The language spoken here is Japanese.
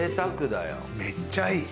めっちゃいい。